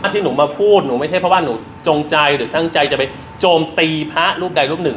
ที่หนูมาพูดหนูไม่ใช่เพราะว่าหนูจงใจหรือตั้งใจจะไปโจมตีพระรูปใดรูปหนึ่ง